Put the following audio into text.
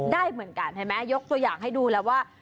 ได้เหมือนกันเห็นไหมยกตัวอย่างให้ดูแล้วว่า